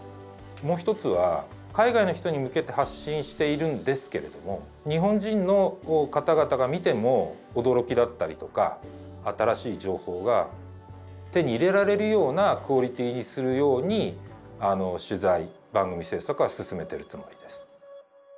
もう一つは海外の人に向けて発信しているんですけれども日本人の方々が見ても驚きだったりとか新しい情報が手に入れられるようなクオリティーにするように取材・番組制作は進めてるつもりです。